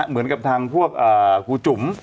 เหมือนกับทางพวกครูจุ๋ม